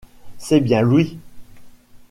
C’est bien lui.